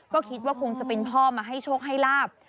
ก็คิดว่าคงจะเป็นพ่อมาให้โชคให้ลาบ